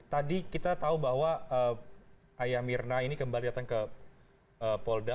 tadi kita tahu bahwa ayah mirna ini kembali datang ke polda